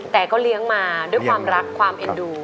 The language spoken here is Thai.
แต่ก็เลี้ยงมาด้วยความรักความเอ็นดู